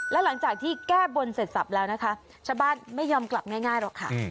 แล้วหลังจากที่แก้บนเสร็จสับแล้วนะคะชาวบ้านไม่ยอมกลับง่ายหรอกค่ะ